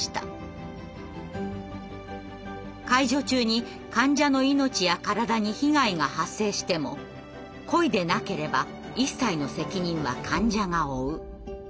「介助中に患者の命や体に被害が発生しても故意でなければ一切の責任は患者が負う」。